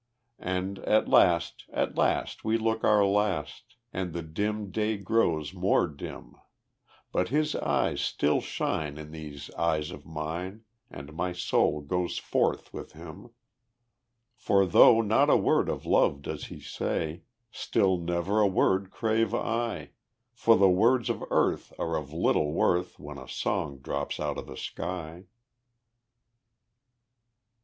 And at last at last we look our last, And the dim day grows more dim; But his eyes still shine in these eyes of mine, And my soul goes forth with him. For though not a word of love does he say, Still never a word crave I; For the words of earth are of little worth When a song drops out of the sky.